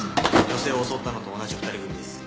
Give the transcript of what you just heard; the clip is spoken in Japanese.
女性を襲ったのと同じ２人組です。